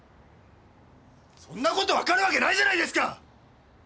そんなことわかるわけないじゃないですか！